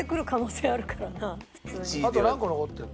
あと何個残ってるの？